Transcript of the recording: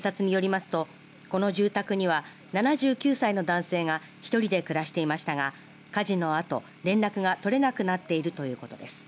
警察によりますとこの住宅には７９歳の男性が１人で暮らしていましたが火事のあと連絡が取れなくなっているということです。